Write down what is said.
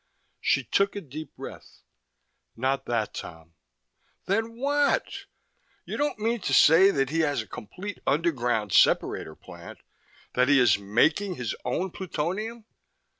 She took a deep breath. "Not that, Tom." "Then what? You don't mean to say that he has a complete underground separator plant that he is making his own plutonium!"